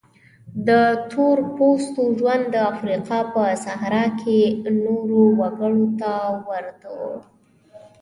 د تور پوستو ژوند د افریقا په صحرا کې نورو وګړو ته ورته و.